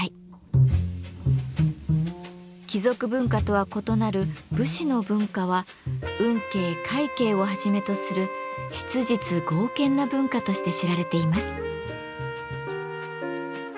貴族文化とは異なる武士の文化は運慶・快慶をはじめとする質実剛健な文化として知られています。